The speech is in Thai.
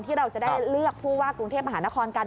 ที่เราจะได้เลือกผู้ว่ากรุงเทพมหานครกัน